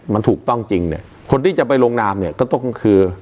มันถูกต้องจริงเนี่ยคนที่จะไปลงนามเนี่ยก็ต้องคือ